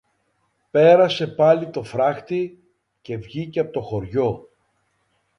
πέρασε πάλι το φράχτη, και βγήκε από το χωριό.